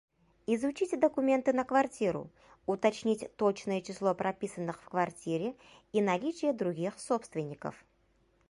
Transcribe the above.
Изучить документы на квартиру, уточнить точное число прописанных в квартире и наличие других собственников.